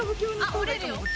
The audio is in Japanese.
あっ折れるよ。